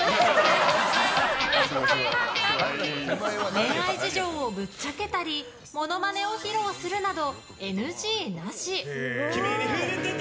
恋愛事情をぶっちゃけたりモノマネを披露するなどＮＧなし。